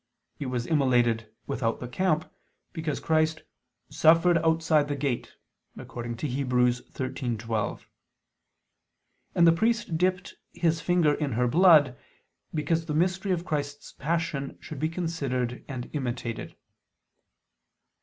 It was immolated "without the camp," because Christ "suffered outside the gate" (Heb. 13:12). And the priest dipped "his finger in her blood," because the mystery of Christ's Passion should be considered and imitated.